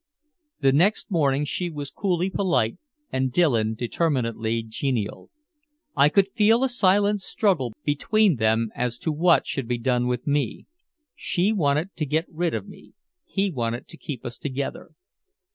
The next morning she was coolly polite and Dillon determinedly genial. I could feel a silent struggle between them as to what should be done with me. She wanted to get rid of me, he wanted to keep us together.